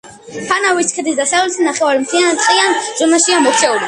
ფანავის ქედის დასავლეთი ნახევარი მთლიანად ტყიან ზონაშია მოქცეული.